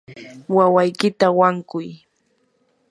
wawaykita wankuy.